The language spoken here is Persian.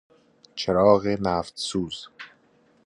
چراغ نفت سوز